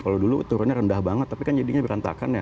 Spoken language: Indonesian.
kalau dulu turunnya rendah banget tapi kan jadinya berantakan ya